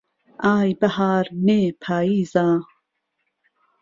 ئای بەهار نێ پاییزە